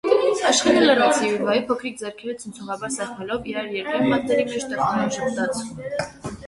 Աշխենը լռեց, և Եվայի փոքրիկ ձեռքերը ցնցողաբար սեղմելով իր երկայն մատների մեջ, տխրորեն ժպտաց: